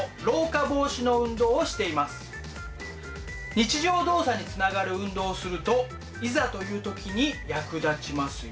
日常動作につながる運動をするといざという時に役立ちますよ。